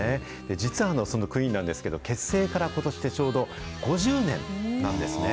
実はそのクイーンなんですけど、結成からことしでちょうど５０年なんですね。